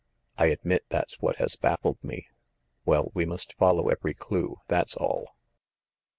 "I admit that's what has baffled me." "Well, we must follow every clue, that's all."